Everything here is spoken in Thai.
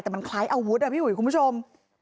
แต่มันคล้ายอาวุธอะพี่อุ๋ยคุณผู้ชม